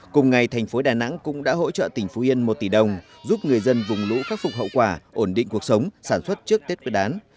cùng ngày thành phố đà nẵng cũng đã hỗ trợ tỉnh phú yên một tỷ đồng giúp người dân vùng lũ khắc phục hậu quả ổn định cuộc sống sản xuất trước tết nguyên đán